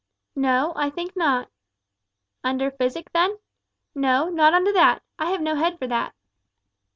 "N no, I think not." "Under physic, then?" "No, not under that. I have no head for that."